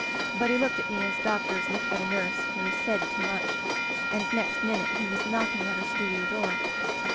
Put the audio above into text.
" But he looked at me as doctors look at a nurse who has said too much, and next minute he was knocking at her studio door.